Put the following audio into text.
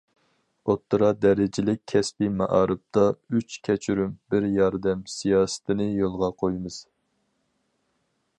ئوتتۇرا دەرىجىلىك كەسپىي مائارىپتا‹‹ ئۈچ كەچۈرۈم، بىر ياردەم›› سىياسىتىنى يولغا قويىمىز.